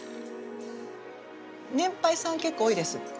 年配さん結構多いです。